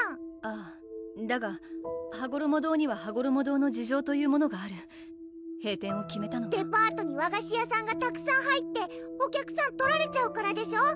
ああだがはごろも堂にははごろも堂の事情というものがある閉店を決めたのはデパートに和菓子屋さんがたくさん入ってお客さん取られちゃうからでしょ？